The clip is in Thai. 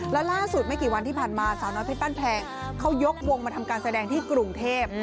แล้วล่าสุดไม่กี่วันที่ผ่านมาสาวน้อยเพชรบ้านแพงเขายกวงมาทำการแสดงที่กรุงเทพ